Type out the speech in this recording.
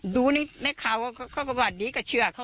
ดูนี่เค้าว่าดีกับเชื้อเข้า